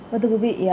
vâng thưa quý vị